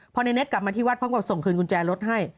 พอในเน็กกลับมาที่วัดพร้อมกับส่งคืนกุญแจรถให้